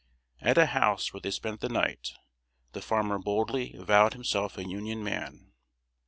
At a house where they spent the night, the farmer boldly avowed himself a Union man.